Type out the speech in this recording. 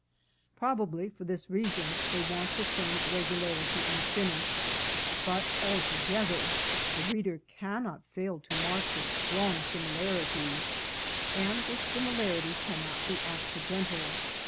Probably, for this reason, they want the same regularity and finish ; but, altogether, the reader cannot fail to mark the strong similarity, and this similarity cannot be acci dental.